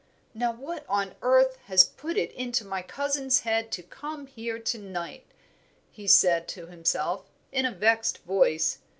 "Now what on earth has put it into my cousins' heads to come here to night?" he said to himself, in a vexed voice.